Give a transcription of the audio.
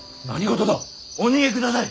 何事だ。